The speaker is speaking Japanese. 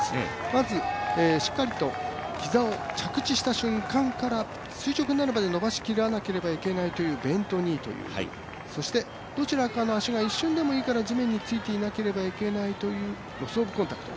まずしっかりと膝を着地した瞬間から垂直になるまで伸ばしきらないといけないというベント・ニーという、そしてどちらかの足が一瞬でもいいから地面についていなくてはいけないという、ロス・オブ・コンタクト。